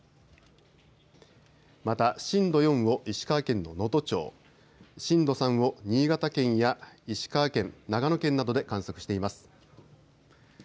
また震度４を石川県の能登町、震度３を新潟県や石川県、長野県などで観測しています。